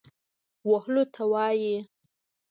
وهلو ته وايي.